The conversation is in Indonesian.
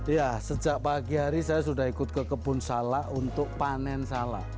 ya sejak pagi hari saya sudah ikut ke kebun salak untuk panen salak